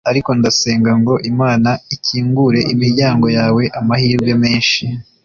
ariko ndasenga ngo imana ikingure imiryango yawe amahirwe menshi